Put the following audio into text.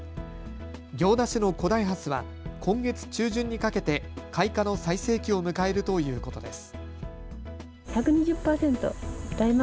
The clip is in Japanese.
行田市の古代ハスは今月中旬にかけて開花の最盛期を迎えるということです。